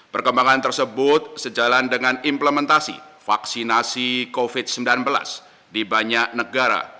perkembangan tersebut sejalan dengan implementasi vaksinasi covid sembilan belas di banyak negara